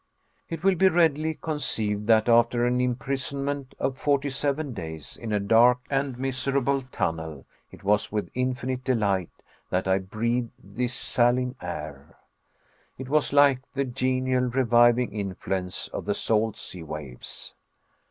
It will be readily conceived that after an imprisonment of forty seven days, in a dark and miserable tunnel it was with infinite delight that I breathed this saline air. It was like the genial, reviving influence of the salt sea waves.